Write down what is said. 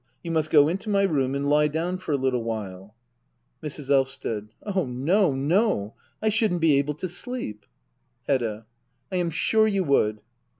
You must go into my room and lie down for a little while. Mrs. Blvsted. Oh no, no— I shouldn't be able to sleep. Hedda. I am sure you would.